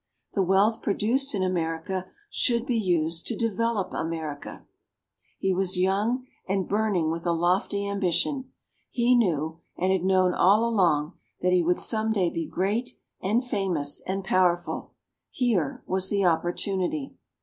The wealth produced in America should be used to develop America. He was young, and burning with a lofty ambition. He knew, and had known all along, that he would some day be great and famous and powerful here was the opportunity.